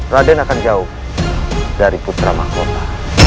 raden akan jauh dari putra mahkota